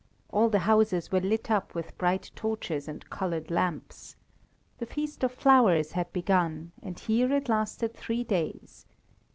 All the houses were lit up with bright torches and coloured lamps. The feast of flowers had begun and here it lasted three days.